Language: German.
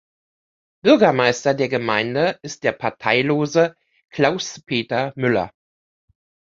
Bürgermeister der Gemeinde ist der Parteilose Klaus-Peter Müller.